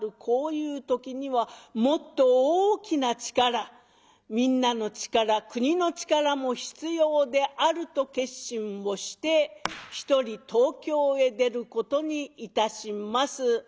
こういう時にはもっと大きな力みんなの力国の力も必要である」と決心をして一人東京へ出ることにいたします。